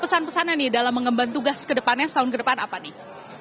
pesan pesannya nih dalam mengemban tugas kedepannya setahun ke depan apa nih